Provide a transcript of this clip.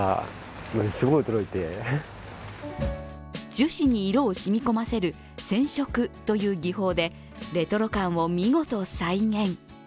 樹脂に色を染み込ませる染色という技法でレトロ感を見事再現。